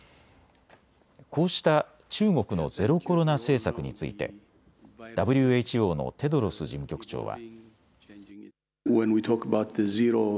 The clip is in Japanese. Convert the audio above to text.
こうした中国のゼロコロナ政策についてＷＨＯのテドロス事務局長は。